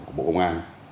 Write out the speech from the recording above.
của bộ công an